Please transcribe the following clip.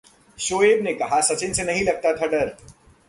शोएब ने कहा, सचिन से नहीं लगता था डर